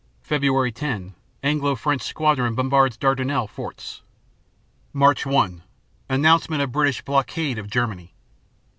_ Feb. 10 Anglo French squadron bombards Dardanelles forts. Mar. 1 Announcement of British "blockade" of Germany.